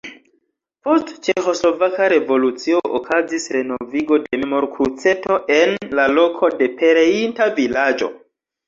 Post ĉeĥoslovaka revolucio okazis renovigo de memorkruceto en la loko de la pereinta vilaĝo.